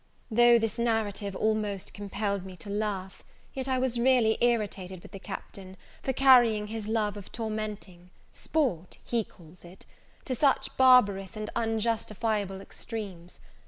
Though this narrative almost compelled me to laugh, yet I was really irritated with the Captain, for carrying his love of tormenting, sport, he calls it, to such barbarous and unjustifiable extremes.